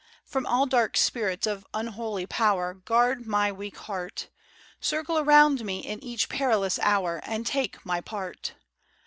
103 From all dark spirits of unholy power Guard my weak heart Circle around me in each perilous hour, And take my part.